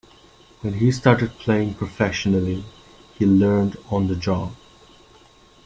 When he started playing professionally, he learned on the job.